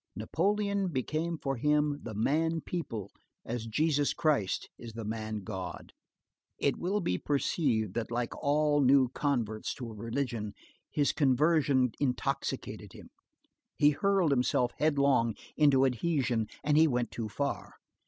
Napoleon became for him the man people as Jesus Christ is the man God. It will be perceived, that like all new converts to a religion, his conversion intoxicated him, he hurled himself headlong into adhesion and he went too far.